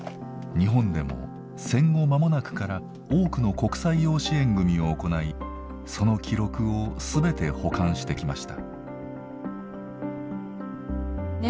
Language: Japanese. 日本でも戦後間もなくから多くの国際養子縁組を行いその記録を全て保管してきました。